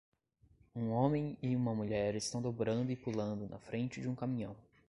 Um homem e uma mulher estão dobrando e pulando na frente de um caminhão.